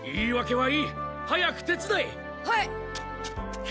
はい！